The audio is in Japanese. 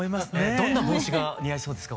どんな帽子が似合いそうですか？